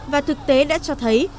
và thực tế đã cho thấy